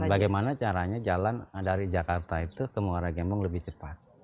bagaimana caranya jalan dari jakarta itu ke muara gembong lebih cepat